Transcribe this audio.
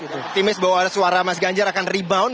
optimis bahwa suara mas ganjar akan rebound